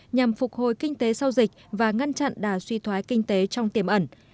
nhằm phục hồi kinh tế sau dịch và ngăn chặn đà suy thoái kinh tế trong tiềm ẩn